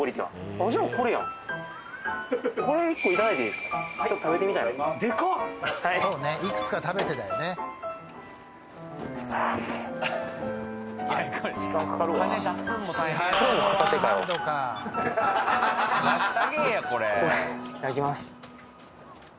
これいただきます